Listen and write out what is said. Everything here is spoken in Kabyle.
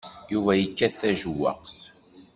Yuba yekkat tajewwaqt.